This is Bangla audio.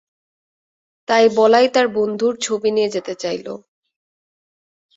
তাই বলাই তার বন্ধুর ছবি নিয়ে যেতে চাইলে।